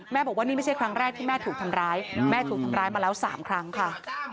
บอกว่านี่ไม่ใช่ครั้งแรกที่แม่ถูกทำร้ายแม่ถูกทำร้ายมาแล้ว๓ครั้งค่ะ